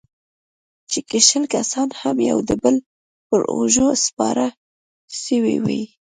چې که شل کسان هم يو د بل پر اوږو سپاره سوي واى.